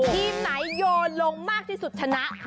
ทีมไหนโยนลงมากที่สุดชนะ